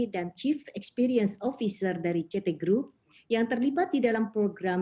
dan chief experience officer dari ct group yang terlibat di dalam program